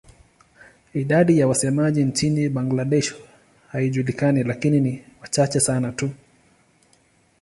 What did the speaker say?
Idadi ya wasemaji nchini Bangladesh haijulikani lakini ni wachache sana tu.